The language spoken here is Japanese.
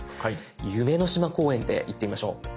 夢の島公園でいってみましょう。